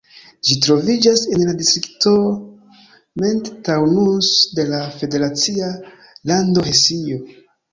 Ĝi troviĝas en la distrikto Main-Taunus de la federacia lando Hesio.